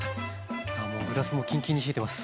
ああもうグラスもキンキンに冷えてます！